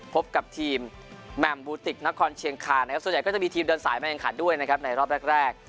พบกับทีมแมมบูติกนครเชียงคานะครับส่วนใหญ่ก็จะมีทีมเดินสายมาแข่งขันด้วยนะครับในรอบแรก